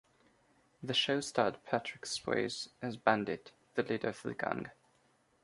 The show starred Patrick Swayze as "Bandit", the leader of the gang.